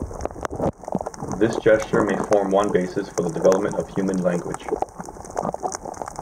This gesture may form one basis for the development of human language.